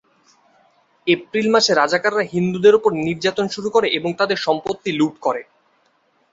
April মাসে, রাজাকাররা হিন্দুদের উপর নির্যাতন শুরু করে এবং তাদের সম্পত্তি লুট করে।